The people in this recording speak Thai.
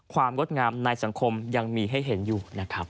งดงามในสังคมยังมีให้เห็นอยู่นะครับ